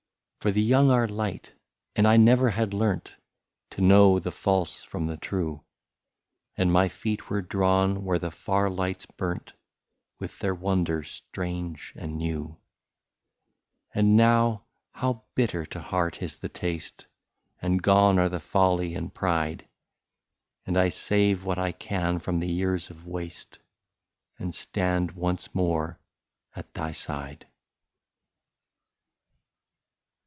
For the young are light, and I never had learnt To know the false from the true. But my feet were drawn where the far lights burnt With their wonder strange and new. 68 And now how bitter to heart is the taste, And gone are the folly and pride, And I save what I can from the years of waste, And stand once more at thy side.